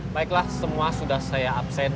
baiklah semua sudah saya absen